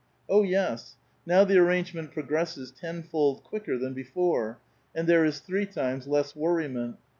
Oh, yes, now the arrangement progresses tenfold quicker than before, and there is three times less worriment.